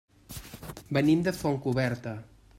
Venim de Fontcoberta.